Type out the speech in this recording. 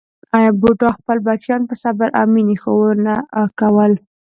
بوډا خپل بچیان په صبر او مینې ښوونه کول.